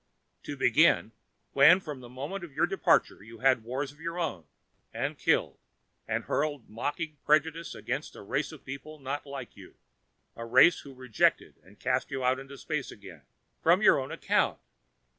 "To begin, when from the moment of your departure you had wars of your own, and killed, and hurled mocking prejudice against a race of people not like you, a race who rejected and cast you out into space again! From your own account!